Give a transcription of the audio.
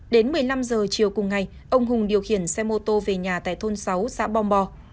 đến một mươi năm h chiều cùng ngày ông hùng điều khiển xe mô tô về nhà tại thôn sáu xã bom bò